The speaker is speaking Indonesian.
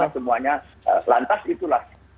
karena semuanya lantas itulah